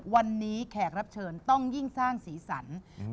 วันนี้แขกรับเชิญต้องยิ่งสร้างสีสัน